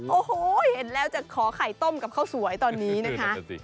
โอ้โหเห็นแล้วจะขอไข่ต้มกับข้าวสวยตอนนี้นะคะ